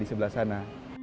di sebelah sana